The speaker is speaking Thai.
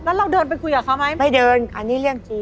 แล้วเราเดินไปคุยกับเขาไหมไม่เดินอันนี้เรื่องจริง